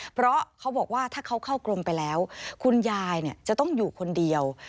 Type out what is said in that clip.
เพราะเขาบอกว่าถ้าเขาเข้ากรมไปแล้วคุณยายจะต้องอยู่คนเดียว